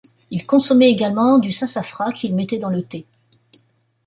Ils consommaient également du sassafras, qu’ils mettaient dans le thé.